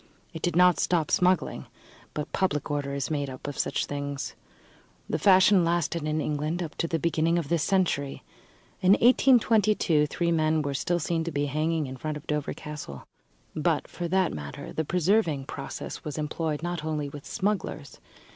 It did not stop smuggling; but public order is made up of such things. The fashion lasted in England up to the beginning of this century. In 1822 three men were still to be seen hanging in front of Dover Castle. But, for that matter, the preserving process was employed not only with smugglers.